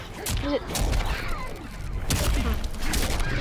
მიზეზი იყო სექსუალური ურთიერთობის არ ქონა მეუღლესთან.